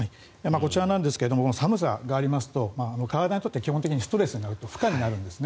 こちらなんですが寒さがありますと体にとって基本的にストレスになる負荷になるんですね。